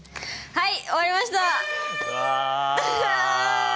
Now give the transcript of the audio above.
はい。